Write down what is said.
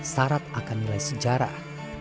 sarat akan nilai sejarah